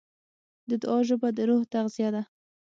د دعا ژبه د روح تغذیه ده.